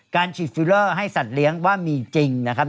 การฉีดฟิลเลอร์ให้สัตว์เลี้ยงว่ามีจริงนะครับ